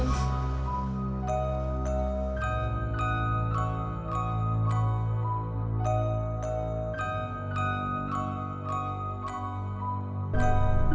ya aku mau makan